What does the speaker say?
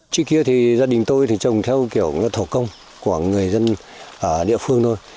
trước kia thì gia đình tôi trồng theo kiểu thổ công của người dân địa phương thôi